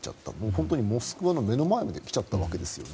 本当にモスクワの目の前まで来ちゃったわけです。